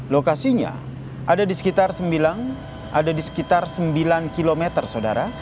lokasinya ada di sekitar sembilan ada di sekitar sembilan km saudara